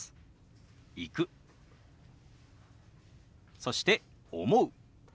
そして「思う」。